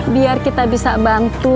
biar kita bisa bantu